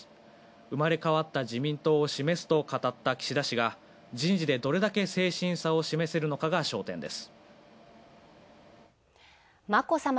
生まれ変わった自民党を示すと語った岸田氏が人事でどれだけ精神性を示せるのか焦点です。